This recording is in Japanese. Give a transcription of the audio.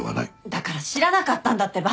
だから知らなかったんだってば。